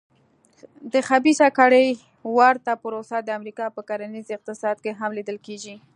د خبیثه کړۍ ورته پروسه د امریکا په کرنیز اقتصاد کې هم لیدل کېږي.